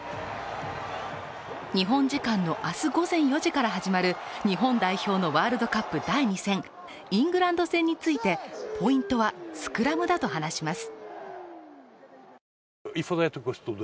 日本時間の明日午前４時から始まる日本代表のワールドカップ第２戦、イングランド戦について、ポイントはスクラムだと話します。